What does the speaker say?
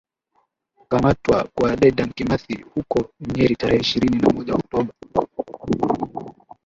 Kukamatwa kwa Dedan Kimathi huko Nyeri tarehe ishirini na moja Oktoba